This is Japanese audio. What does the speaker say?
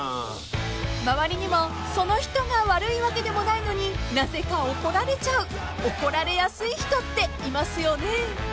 ［周りにもその人が悪いわけでもないのになぜか怒られちゃう怒られやすい人っていますよね］